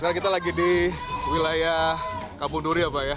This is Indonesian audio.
sekarang kita lagi di wilayah kampung duri ya pak ya